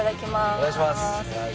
お願いします。